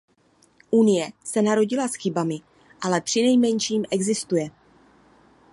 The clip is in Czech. Unie se narodila s chybami, ale přinejmenším existuje.